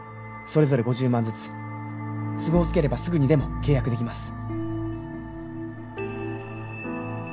それぞれ５０万ずつ都合つければすぐにでも契約できます。